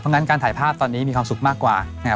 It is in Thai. เพราะฉะนั้นการถ่ายภาพตอนนี้มีความสุขมากกว่า